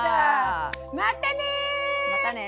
またね！